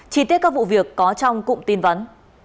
chi tiết các vụ việc có trong cụm tin vấn